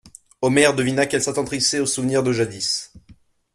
Omer devina qu'elle s'attendrissait au souvenir de jadis.